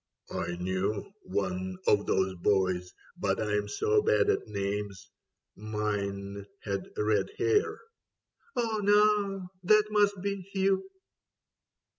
" I knew One of those boys, but I'm so bad at names. Mine had red hair." " Oh, now, that must be Hugh."